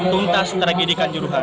tuntas tragedikan juruhan